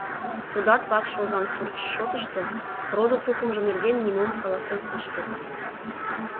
Тудат вакш озан суртшо шотышто, родо-тукымжо нерген нимом каласен ыш керт.